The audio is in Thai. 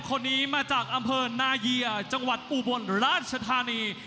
คนนี้มาจากอำเภอนาเยียจังหวัดอุบลราชธานี